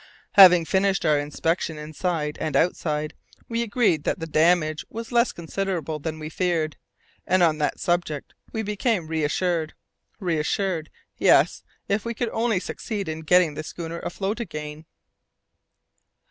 Having finished our inspection inside and outside, we agreed that the damage was less considerable than we feared, and on that subject we became reassured. Reassured! Yes, if we could only succeed in getting the schooner afloat again.